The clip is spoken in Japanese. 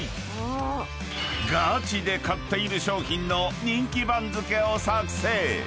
［ガチで買っている商品の人気番付を作成！］